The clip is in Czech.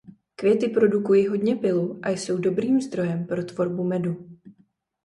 Květy produkují hodně pylu a jsou dobrým zdrojem pro tvorbu medu.